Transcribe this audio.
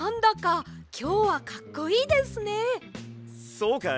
そうかい？